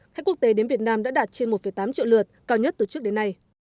khách quốc tế đến việt nam đã đạt trên một tám triệu lượt cao nhất từ trước đến nay